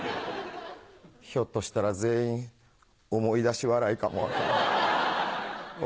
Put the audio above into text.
ひょっとしたら全員思い出し笑いかも分からへん。